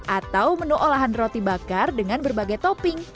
atau menu olahan roti bakar dengan berbagai topping